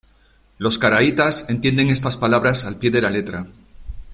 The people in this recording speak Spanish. Los caraítas entienden estas palabras al pie de la letra.